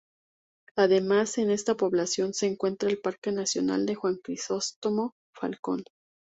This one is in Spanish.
Además en esta población se encuentra el Parque nacional Juan Crisóstomo Falcón.